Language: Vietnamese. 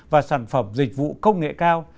và sản phẩm dịch vụ công nghệ cao